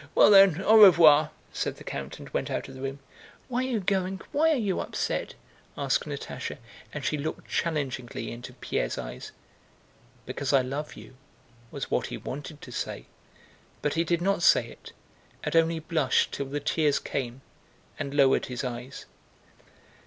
"Well, then, au revoir!" said the count, and went out of the room. "Why are you going? Why are you upset?" asked Natásha, and she looked challengingly into Pierre's eyes. "Because I love you!" was what he wanted to say, but he did not say it, and only blushed till the tears came, and lowered his eyes.